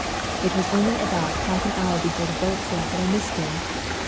It was only about half an hour before the boat sailed that I missed him.